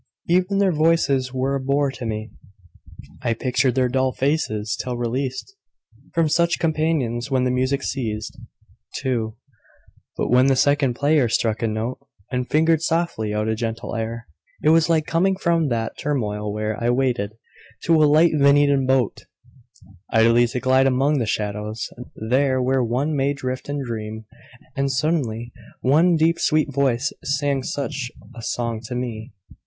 Even their voices were a bore to me; I pictured their dull faces, till released From such companions, when the music ceased. II. But when the second player struck a note And fingered softly out a gentle air It was like coming from that turmoil where I waited, to a light Venetian boat, Idly to glide among the shadows, there Where one may drift and dream; and suddenly One deep sweet voice sang such a song to me.